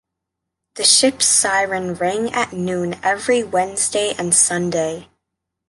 The ship's siren rang at noon every Wednesday and Sunday.